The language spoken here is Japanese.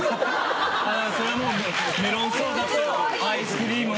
それはもうメロンソーダとアイスクリーム。